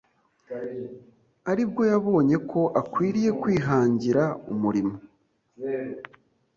aribwo yabonye ko akwiriye kwihangira umurimo